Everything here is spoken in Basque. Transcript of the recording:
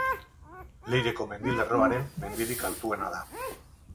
Leireko mendilerroaren mendirik altuena da.